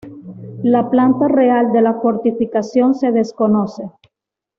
La planta real de la fortificación se desconoce.